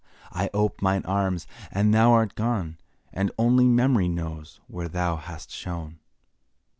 I ope mine arms, and thou art gone, And only Memory knows where thou hast shone.